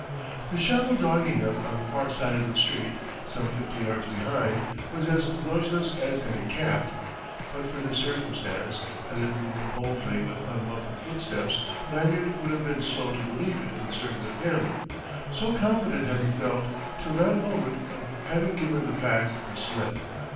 The shadow dogging them on the far side of the street, some fifty yards behind, was as noiseless as any cat; but for this circumstance had it moved boldly with unmuffled footsteps Lanyard would have been slow to believe it concerned with him, so confident had be felt, till that moment, of having given the Pack the slip.